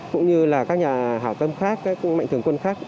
cũng như là các nhà hảo tâm khác các mạnh thường quân khác